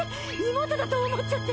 妹だと思っちゃって。